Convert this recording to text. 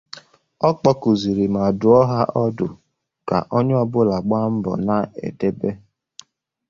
Ọ kpọkùzịrị ma dụọ ha ọdụ ka onye ọbụla gbaa mbọ na-edebe